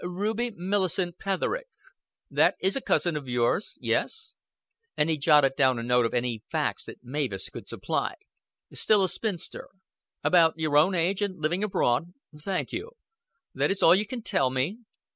"Ruby Millicent Petherick. That is a cousin of yours? Yes." And he jotted down a note of any facts that Mavis could supply. "Still a spinster. About your own age, and living abroad. Thank you. That is all you can tell me?